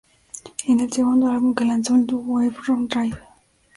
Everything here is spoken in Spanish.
Es el segundo álbum que lanzó el dúo Heffron Drive.